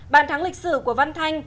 bàn thắng lịch sử của văn thanh